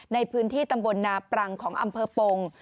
ในพื้นที่ตำบลนาปรังของอำเภอปง